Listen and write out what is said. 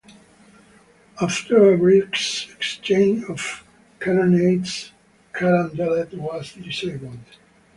After a brisk exchange of cannonades, "Carondelet" was disabled.